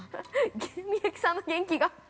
みゆきさんの元気が。